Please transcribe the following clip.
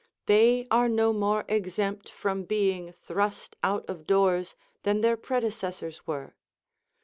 They are no more exempt from being thrust out of doors than their predecessors were.